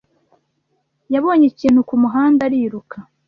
yabonye ikintu kumuhanda ariruka.